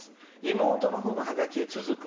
妹のほうのハガキへ続く」。